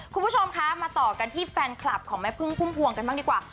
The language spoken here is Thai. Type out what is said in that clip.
คุณผู้ชมคะมาต่อกันที่แฟนคลับของแม่พึ่งพุ่มพวงกันบ้างดีกว่า